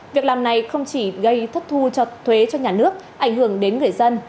việc làm này không chỉ gây thất thu cho thuế cho nhà nước ảnh hưởng đến người dân